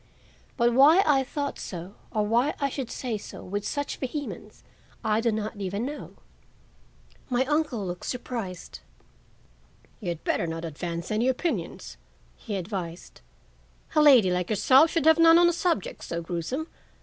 But why I thought so or why I should say so with such vehemence, I do not know even now. My uncle looked surprised. "You had better not advance any opinions," he advised. "A lady like yourself should have none on a subject so gruesome.